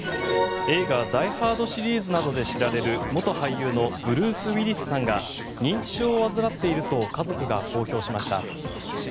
映画「ダイ・ハード」シリーズなどで知られる元俳優のブルース・ウィリスさんが認知症を患っていると家族が公表しました。